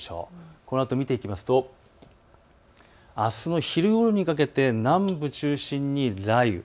このあと見ていきますとあすの昼ごろにかけて南部中心に雷雨。